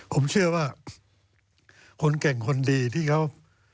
ผมเชื่อว่าคนเก่งคนดีที่เขา